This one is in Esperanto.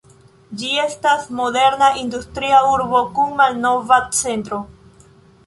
Ĝi estas moderna industria urbo kun malnova centro.